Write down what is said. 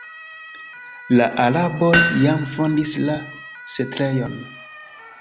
La araboj jam fondis la setlejon.